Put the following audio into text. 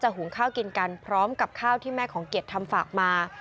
หุงข้าวกินกันพร้อมกับข้าวที่แม่ของเกียรติทำฝากมา